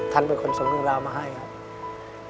ท่านเป็นคนส่งเรื่องราวมาให้ครับ